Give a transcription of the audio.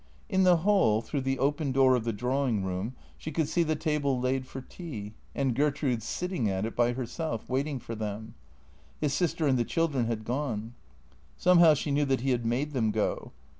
In the hall, through the open door of the drawing room, she could see the table laid for tea, and Gertrude sitting at it by herself, waiting for them. His sister and the children had gone. Somehow she knew that he had made them go.